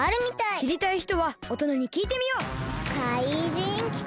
しりたいひとはおとなにきいてみよう！かいじんきた！